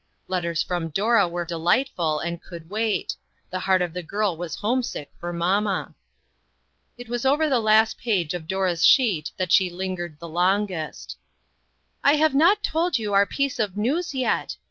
Letters from Dora were delightful, and could wait; the heart of the girl was home sick for mamma. It was over the last page of Dora's sheet that she lingered the longest. " I have not told you our piece of news, yet.